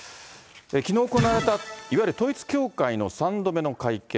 きのう行われたいわゆる統一教会の３度目の会見。